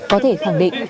có thể khẳng định